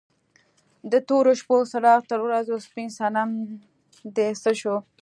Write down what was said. د تورو شپو څراغ تر ورځو سپین صنم دې څه شو؟